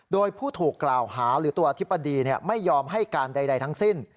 โดยผู้ถูกกล่าวหาหรือตัวอธิบดีไม่ยอมให้การใดทั้งสิ้น